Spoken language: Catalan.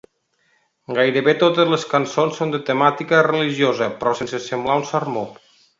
Gairebé totes les cançons són de temàtica religiosa, però sense semblar un sermó.